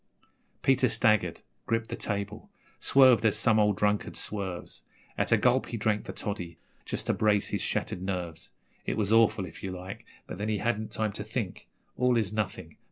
..... Peter staggered, gripped the table, swerved as some old drunkard swerves At a gulp he drank the toddy, just to brace his shattered nerves. It was awful, if you like. But then he hadn't time to think All is nothing!